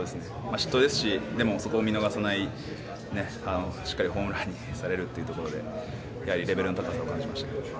失投ですし、でもそこを見逃さない、しっかりホームランにされるというところで、やはりレベルの高さを感じました。